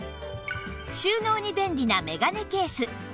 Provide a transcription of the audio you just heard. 収納に便利なメガネケース